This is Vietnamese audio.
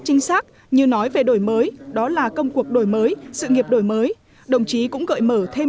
chính xác như nói về đổi mới đó là công cuộc đổi mới sự nghiệp đổi mới đồng chí cũng gợi mở thêm